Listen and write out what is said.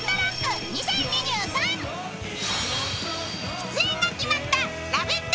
出演が決まったラヴィット！